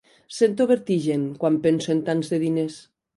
Sento vertigen, quan penso en tants de diners.